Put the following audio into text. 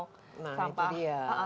nah itu dia